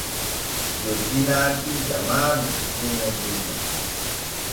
Joddi naatii jamaanu kiya jemma.